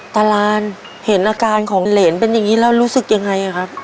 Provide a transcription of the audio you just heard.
ตารานเห็นอาการของเหรนเป็นอย่างนี้แล้วรู้สึกยังไงครับ